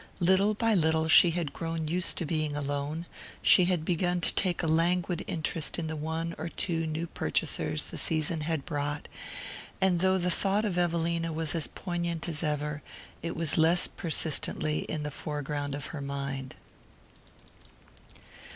Little by little she had grown used to being alone, she had begun to take a languid interest in the one or two new purchasers the season had brought, and though the thought of Evelina was as poignant as ever, it was less persistently in the foreground of her mind.